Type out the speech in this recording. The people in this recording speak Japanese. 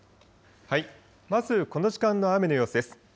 まず、この時間の雨の様子です。